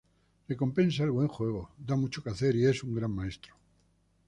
Recompensa el buen juego, da mucho que hacer y es un gran maestro≫.